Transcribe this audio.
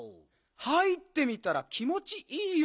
入ってみたら気もちいいよ。